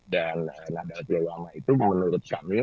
dan nadal tualama itu menurut kami